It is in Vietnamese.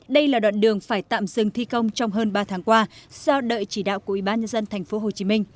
đây là đoạn đường phải tạm dừng thi công trong hơn ba tháng qua do đợi chỉ đạo của ubnd tp hcm